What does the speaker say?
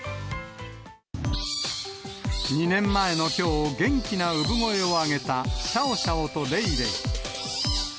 ２年前のきょう、元気な産声を上げたシャオシャオとレイレイ。